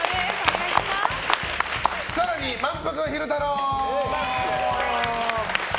更に、まんぷく昼太郎！